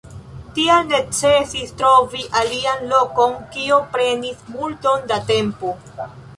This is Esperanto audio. Tial necesis trovi alian lokon, kio prenis multon da tempo.